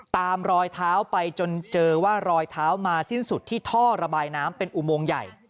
รอยเท้าไปจนเจอว่ารอยเท้ามาสิ้นสุดที่ท่อระบายน้ำเป็นอุโมงใหญ่